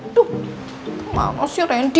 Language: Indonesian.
aduh kemana sih ren di